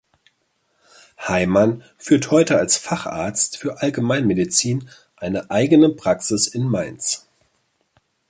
Heimann führt heute als Facharzt für Allgemeinmedizin eine eigene Praxis in Mainz.